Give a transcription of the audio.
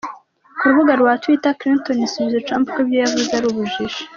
Ku rubuga rwa Twitter, Clinton yasubije Trump ko ibyo yavuze ari ubujiji.